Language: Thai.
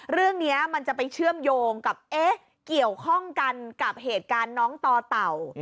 เรื่องนี้มันจะไปเชื่อมโยงกับเอ๊ะเกี่ยวข้องกันกับเหตุการณ์น้องต่อเต่า